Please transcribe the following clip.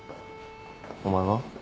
お前は？